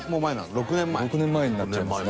６年前になっちゃいますね。